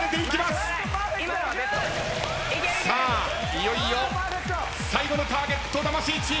いよいよ最後のターゲット魂チーム。